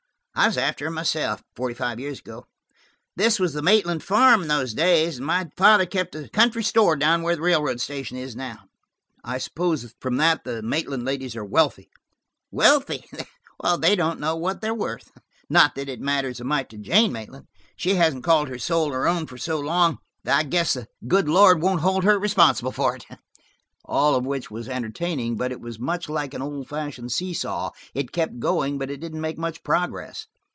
I was after her myself, forty five years ago. This was the Maitland farm in those days, and my father kept a country store down where the railroad station is now." "I suppose from that the Maitland ladies are wealthy." "Wealthy! They don't know what they're worth:–not that it matters a mite to Jane Maitland. She hasn't called her soul her own for so long that I guess the good Lord won't hold her responsible for it." All of which was entertaining, but it was much like an old fashioned see saw; it kept going, but it didn't make much progress.